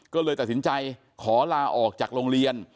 ก็เลยตัดสินใจขอลาออกจากโรงเรียน